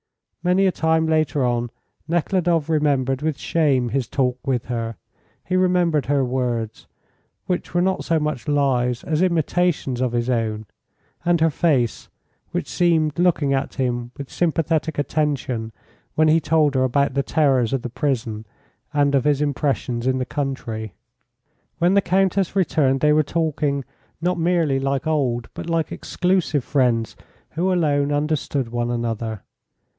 Many a time later on Nekhludoff remembered with shame his talk with her. He remembered her words, which were not so much lies as imitations of his own, and her face, which seemed looking at him with sympathetic attention when he told her about the terrors of the prison and of his impressions in the country. When the Countess returned they were talking not merely like old, but like exclusive friends who alone understood one another.